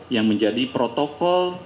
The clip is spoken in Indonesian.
yang menjadi protokol